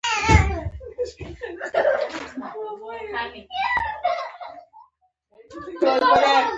معلومه وه چې رييس به مورګان و او پاتې به شي